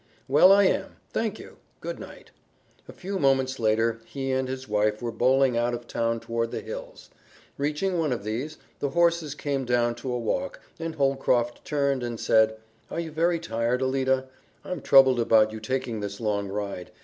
"Well, I am. Thank you. Good night." A few moments later he and his wife were bowling out of town toward the hills. Reaching one of these, the horses came down to a walk and Holcroft turned and said, "Are you very tired, Alida? I'm troubled about you taking this long ride.